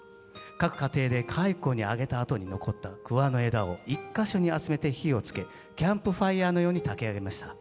各家庭で蚕にあげたあとに残った桑の枝を一か所に集めて火をつけキャンプファイアのようにたき上げました。